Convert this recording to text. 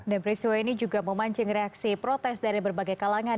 dan peristiwa ini juga memancing reaksi protes dari berbagai kalangan